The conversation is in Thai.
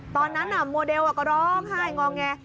ตอนนั้นแมลกฟังล็อกไห้งอกแง